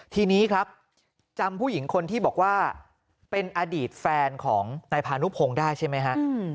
ทีนี้ครับจำผู้หญิงคนที่บอกว่าเป็นอดีตแฟนของนายพานุพงศ์ได้ใช่ไหมฮะ